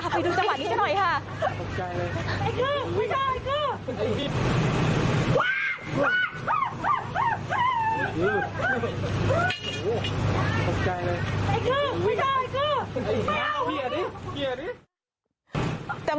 พี่ไปช่วยกันตกปุ๊นใจกันไปหมด